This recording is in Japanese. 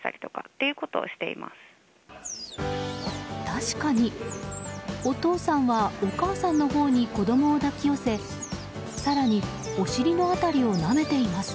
確かにお父さんがお母さんのほうに子供を抱き寄せ更に、お尻の辺りをなめています。